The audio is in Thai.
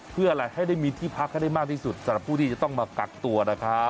เพื่ออะไรให้ได้มีที่พักให้ได้มากที่สุดสำหรับผู้ที่จะต้องมากักตัวนะครับ